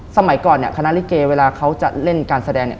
สมัยก่อนเนี่ยคณะลิเกเวลาเขาจะเล่นการแสดงเนี่ย